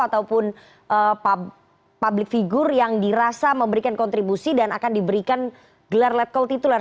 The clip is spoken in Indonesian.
ataupun public figure yang dirasa memberikan kontribusi dan akan diberikan gelar let call tituler